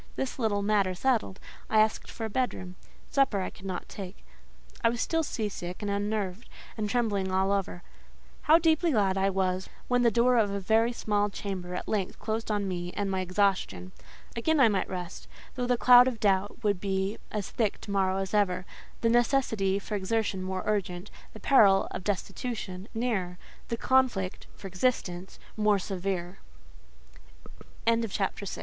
This little matter settled, I asked for a bedroom; supper I could not take: I was still sea sick and unnerved, and trembling all over. How deeply glad I was when the door of a very small chamber at length closed on me and my exhaustion. Again I might rest: though the cloud of doubt would be as thick to morrow as ever; the necessity for exertion more urgent, the peril (of destitution) nearer, the conflict (for existence) more severe. CHAPTER VII. VILLETTE.